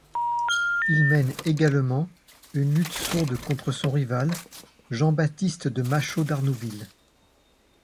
Il mène également une lutte sourde contre son rival, Jean-Baptiste de Machault d'Arnouville.